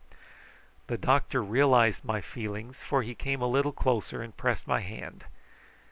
The doctor realised my feelings, for he came a little closer and pressed my hand.